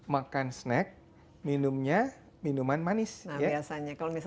makan snack minumnya minuman manis ya biasanya kalau minuman manis ya makannya kebanyakan berbeda ya